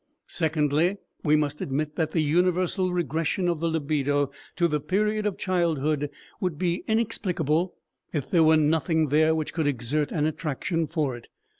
Secondly, we must admit that the universal regression of the libido to the period of childhood would be inexplicable if there were nothing there which could exert an attraction for it.